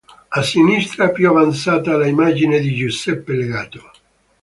A sinistra, più avanzata, l'immagine di Giuseppe legato.